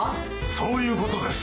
そういうことです！